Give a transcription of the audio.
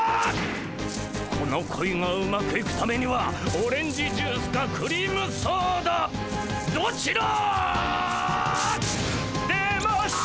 この恋がうまくいくためにはオレンジジュースかクリームソーダどちら。出ました！